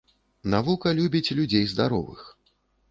Навука любіць людзей здаровых.